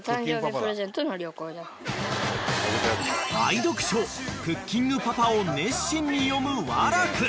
［愛読書『クッキングパパ』を熱心に読む和楽］